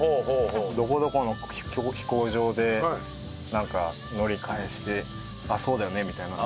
どこどこの飛行場でなんか乗り換えしてあっそうだよねみたいな。